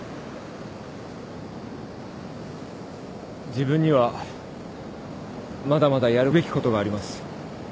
自分にはまだまだやるべきことがあります。